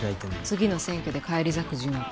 次の選挙で返り咲く準備。